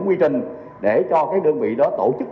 quy trình để cho cái đơn vị đó tổ chức